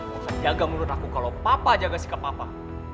bukan jaga mulut aku kalau papa jaga sikap papa